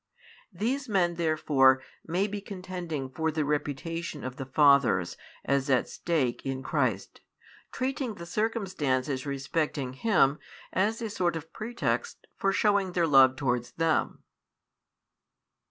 These men therefore may be contending for the reputation of the fathers as at stake in Christ, treating the circumstances respecting Him as a sort of pretext for shewing their love towards them.